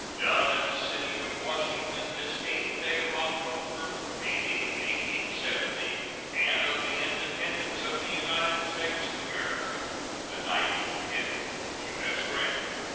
[SEAL.] Done at the city of Washington, this 8th day of October, A.D. 1870, and of the Independence of the United States of America the ninety fifth. U.S. GRANT.